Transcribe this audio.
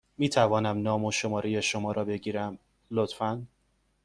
می توانم نام و شماره شما را بگیرم، لطفا؟